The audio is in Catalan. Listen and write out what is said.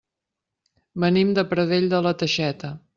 Venim de Pradell de la Teixeta.